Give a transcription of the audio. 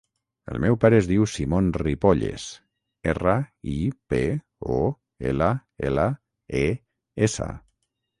El meu pare es diu Simon Ripolles: erra, i, pe, o, ela, ela, e, essa.